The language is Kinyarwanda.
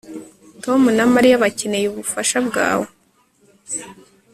Tom na Mariya bakeneye ubufasha bwawe